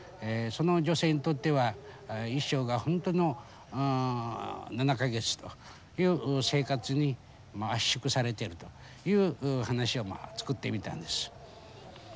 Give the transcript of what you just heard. その女性にとっては一生が７か月という生活に圧縮されているという話を作ってみたんです。